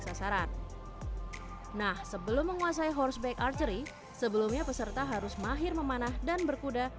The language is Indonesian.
sasaran nah sebelum menguasai horseback archery sebelumnya peserta harus mahir memanah dan berkuda